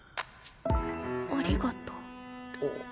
ありがとう。